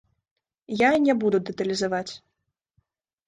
Я не буду дэталізаваць.